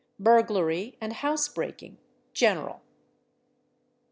Burglary and Housebreaking. 1, GENERAL.